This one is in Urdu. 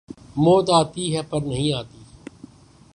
موت آتی ہے پر نہیں آتی